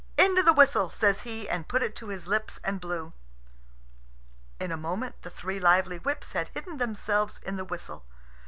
"Into the whistle," says he, and put it to his lips and blew. In a moment the three lively whips had hidden themselves in the whistle.